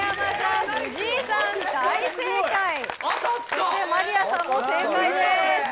そしてマリアさんも正解です